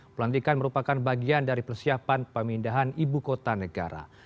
pelantikan merupakan bagian dari persiapan pemindahan ibu kota negara